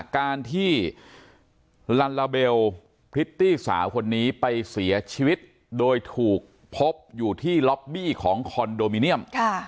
การที่ลัลลาเบลพริตตี้สาวคนนี้ไปเสียชีวิตโดยถูกพบอยู่ที่ล็อบบี้ของคอนโดมิเนียม